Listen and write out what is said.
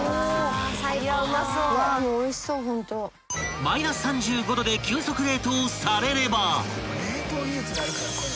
［マイナス３５℃で急速冷凍されれば］